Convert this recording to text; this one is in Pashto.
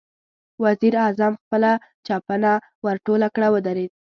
وزير اعظم خپله چپنه ورټوله کړه، ودرېد.